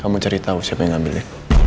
kamu cari tahu siapa yang ngambilnya